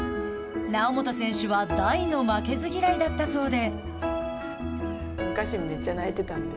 猶本選手は大の負けず嫌いだったそうで。